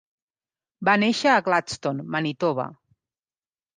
Va néixer a Gladstone, Manitoba.